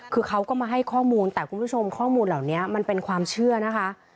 คือเขาก็มาให้ข้อมูลแต่คุณผู้ชมข้อมูลเหล่านี้มันเป็นความเชื่อนะคะ